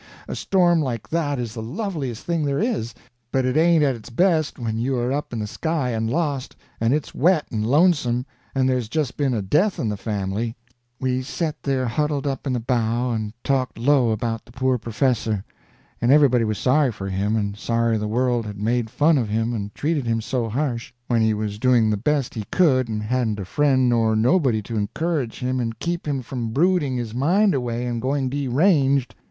A storm like that is the loveliest thing there is, but it ain't at its best when you are up in the sky and lost, and it's wet and lonesome, and there's just been a death in the family. [Illustration: "The thunder boomed, and the lightning glared, and the wind screamed in the rigging"] We set there huddled up in the bow, and talked low about the poor professor; and everybody was sorry for him, and sorry the world had made fun of him and treated him so harsh, when he was doing the best he could, and hadn't a friend nor nobody to encourage him and keep him from brooding his mind away and going deranged.